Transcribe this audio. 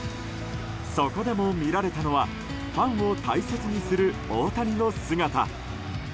そこでも見られたのはファンを大切にする大谷の姿。